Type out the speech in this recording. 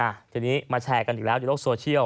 ทีนี้มาแชร์กันอีกแล้วในโลกโซเชียล